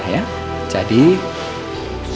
kamu harus segera dicuci darah ya